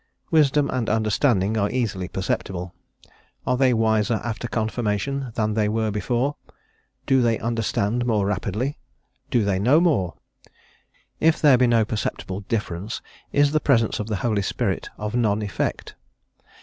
Wisdom and understanding are easily perceptible: are they wiser after Confirmation than they were before? do they understand more rapidly? do they know more? if there be no perceptible difference is the presence of the Holy Spirit of none effect?